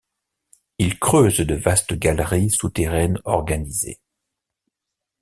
Ils creusent de vastes galeries souterraines organisées.